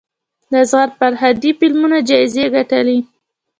د اصغر فرهادي فلمونه جایزې ګټلي.